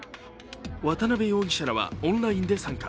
渡辺容疑者らはオンラインで参加。